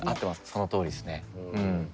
そのとおりですね。